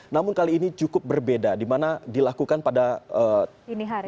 namun kali ini cukup berbeda dimana dilakukan pada dini hari